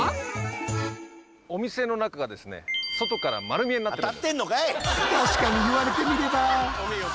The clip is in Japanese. お店の中がですね外から丸見えになってるんです。